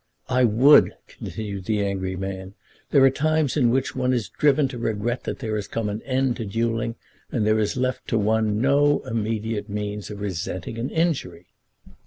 "I would," continued the angry man. "There are times in which one is driven to regret that there has come an end to duelling, and there is left to one no immediate means of resenting an injury."